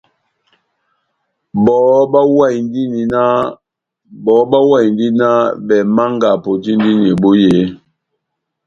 Bɔhɔ bahuwahindi nah bɛh Manga apotindi ebohi eeeh?